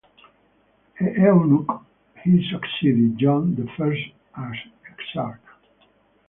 A eunuch, he succeeded John the First as exarch.